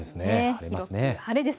広く晴れです。